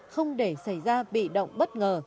không để xảy ra bị động bất ngờ